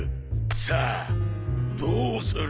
さあどうする？